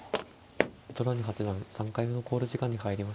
糸谷八段３回目の考慮時間に入りました。